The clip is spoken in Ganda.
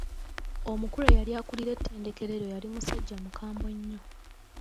Omukulu eyali akulira ettendekero eryo yali musajja mukambwe nnyo.